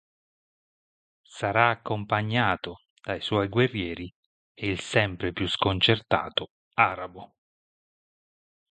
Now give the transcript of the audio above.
Sarà accompagnato dai suoi guerrieri e il sempre più sconcertato arabo.